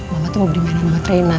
mama tuh mau dimainin sama rena